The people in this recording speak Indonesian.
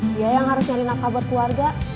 dia yang harus nyari nafkah buat keluarga